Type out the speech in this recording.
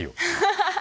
ハハハハ！